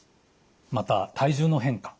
また体重の変化。